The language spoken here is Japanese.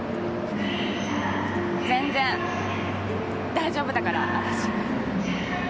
全然大丈夫だからわたし。